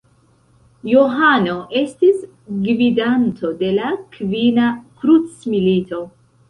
Johano estis gvidanto de la Kvina Krucmilito.